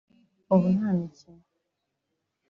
ubu nta mikino